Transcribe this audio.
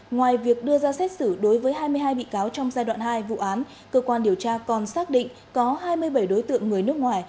ngoài việc đưa ra xét xử đối với hai mươi hai bị cáo trong giai đoạn hai vụ án cơ quan điều tra còn xác định có hai mươi bảy đối tượng người nước ngoài